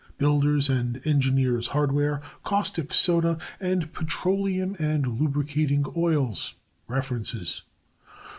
builders' and engineers' hardware; caustic soda; and petroleum and lubricating oils. References.